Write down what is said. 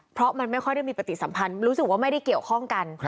เพราะมันไม่ค่อยได้มีปฏิสัมพันธ์รู้สึกว่าไม่ได้เกี่ยวข้องกัน